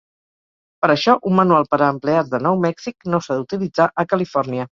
Per això, un manual per a empleats de Nou Mèxic no s'ha d'utilitzar a Califòrnia.